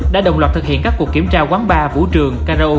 đã đồng loạt thực hiện các cuộc kiểm tra quán bar vũ trường ca đạo